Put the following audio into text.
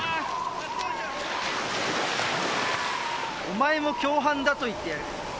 お前も共犯だと言ってやる。